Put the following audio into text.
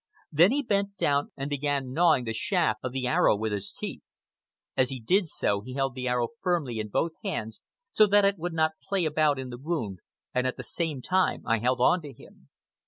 Then he bent down and began gnawing the shaft of the arrow with his teeth. As he did so he held the arrow firmly in both hands so that it would not play about in the wound, and at the same time I held on to him.